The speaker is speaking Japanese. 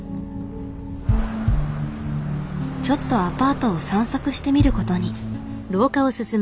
ちょっとアパートを散策してみることに。